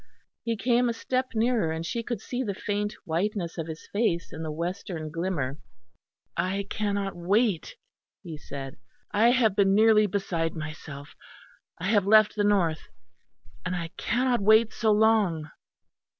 He came a step nearer and she could see the faint whiteness of his face in the western glimmer. "I cannot wait," he said, "I have been nearly beside myself. I have left the north and I cannot wait so long."